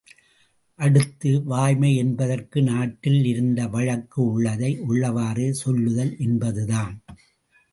அடுத்து, வாய்மை என்பதற்கு நாட்டில் இருந்த வழக்கு உள்ளதை உள்ளவாறே சொல்லுதல் என்பதுதான்.